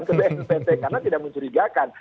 ke bnpt karena tidak mencurigakan